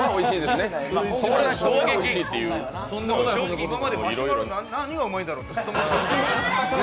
これは衝撃、今までマシュマロ、何がうまいんだろうって。